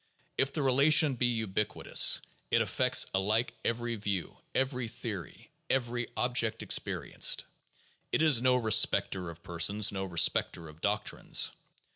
If the relation be ubiqui tous, it affects alike every view, every theory, every object experi enced ; it is no respecter of persons, no respecter of doctrines.